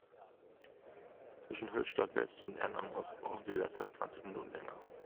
Zwischen Höchstadt-West und Erlangen-Ost brauchen Sie derzeit zwanzig Minuten länger.